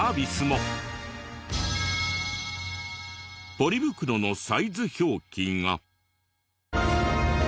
ポリ袋のサイズ表記が。